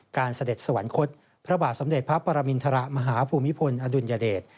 เสด็จสวรรคตพระบาทสมเด็จพระปรมินทรมาฮภูมิพลอดุลยเดช